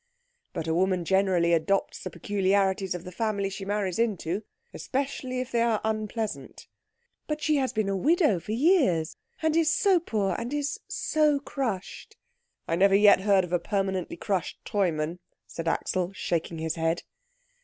"But a woman generally adopts the peculiarities of the family she marries into, especially if they are unpleasant." "But she has been a widow for years. And is so poor. And is so crushed." "I never yet heard of a permanently crushed Treumann," said Axel, shaking his head.